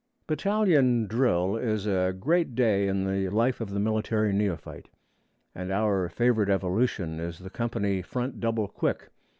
Battalion drill is a great day in the life of the military neophyte, and our favorite evolution is the company front double quick.